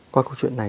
qua câu chuyện này